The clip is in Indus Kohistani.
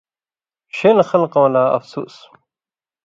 ݜِلہۡ خلکؤں لا افسُوس!